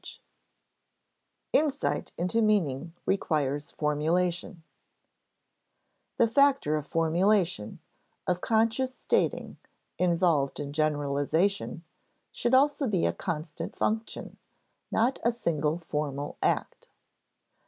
[Sidenote: Insight into meaning requires formulation] The factor of formulation, of conscious stating, involved in generalization, should also be a constant function, not a single formal act.